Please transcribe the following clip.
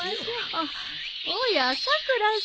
あっおやさくらさん。